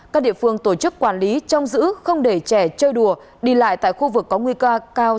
các địa phương tổ chức quản lý trong giữ không để trẻ chơi đùa đi lại tại khu vực có nguy cơ cao